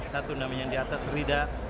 satu namanya di atas rida